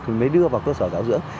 thì mới đưa vào cơ sở đảo dưỡng